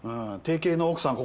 定型の奥さん